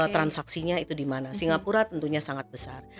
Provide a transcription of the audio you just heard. transaksinya itu dimana singapura tentunya sangat besar